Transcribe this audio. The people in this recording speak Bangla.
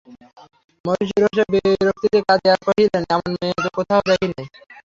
মহিষী রোষে বিরক্তিতে কাঁদিয়া কহিলেন, এমন মেয়েও তো কোথাও দেখি নাই।